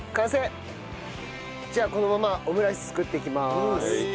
じゃあこのままオムライス作っていきます。